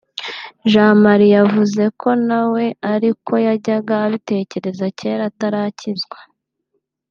Jean Marie yavuze ko na we ari ko yajyaga abitekereza kera atarakizwa